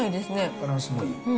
バランスもいい。